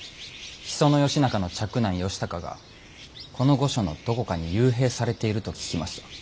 木曽義仲の嫡男義高がこの御所のどこかに幽閉されていると聞きました。